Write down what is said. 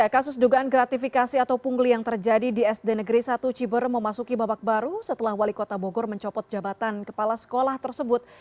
kasus dugaan gratifikasi atau pungli yang terjadi di sd negeri satu ciber memasuki babak baru setelah wali kota bogor mencopot jabatan kepala sekolah tersebut